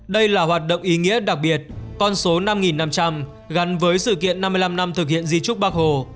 đây là hoạt động ý nghĩa đặc biệt con số năm năm trăm linh gắn với sự kiện năm mươi năm năm thực hiện di trúc bác hồ